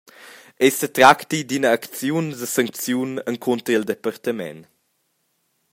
Ei setracti d’ina acziun da sancziun encunter il departament.